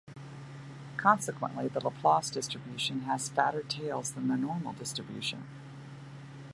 Consequently, the Laplace distribution has fatter tails than the normal distribution.